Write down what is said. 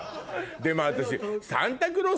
でも私。